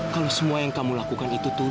kalau semua yang kamu lakukan itu tulus wih